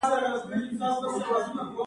غاښونه خواړه میده کوي ترڅو هضم یې اسانه شي